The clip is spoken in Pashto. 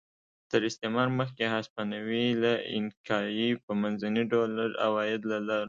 تر استعمار مخکې هسپانوي له اینکایي په منځني ډول لږ عواید لرل.